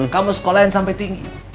kamu sekolah yang sampai tinggi